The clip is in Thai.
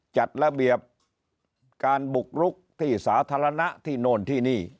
จัดระเบียบการบุกรุกที่สาธารณะที่โน่นที่นี่